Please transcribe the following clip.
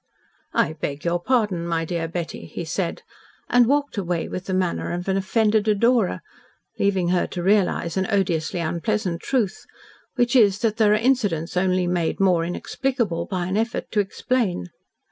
"I beg your pardon, my dear Betty," he said, and walked away with the manner of an offended adorer, leaving her to realise an odiously unpleasant truth which is that there are incidents only made more inexplicable by an effort to explain.